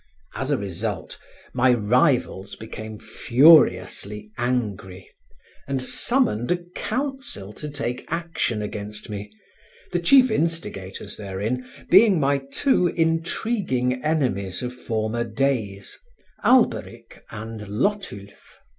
As a result, my rivals became furiously angry, and summoned a council to take action against me, the chief instigators therein being my two intriguing enemies of former days, Alberic and Lotulphe.